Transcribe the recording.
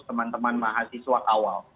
teman teman mahasiswa kawal